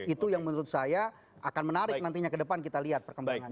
itu yang menurut saya akan menarik nantinya ke depan kita lihat perkembangan